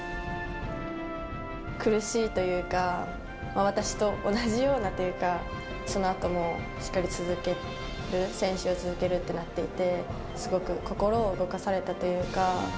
苦しいというか、私と同じようなというか、そのあともしっかり続ける、選手を続けるってなっていて、すごく心を動かされたというか。